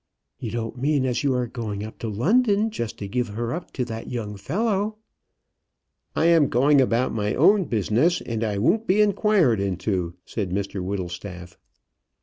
"You don't mean as you are going up to London just to give her up to that young fellow?" "I am going about my own business, and I won't be inquired into," said Mr Whittlestaff.